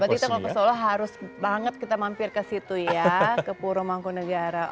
berarti kalau ke solo harus banget kita mampir ke situ ya ke puro mangkunegara